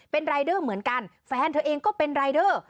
เป็นรายเดอร์เหมือนกันแฟนเธอเองก็เป็นรายเดอร์